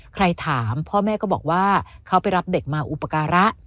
ใครถามพ่อแม่ก็บอกว่าเขาไปรับเด็กมาอุปการะ